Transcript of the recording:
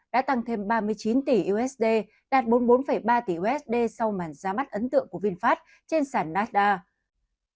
đã tăng thêm ba mươi chín tỷ usd đạt bốn mươi bốn ba tỷ usd sau màn ra mắt ấn tượng của vinfast trên sản nasda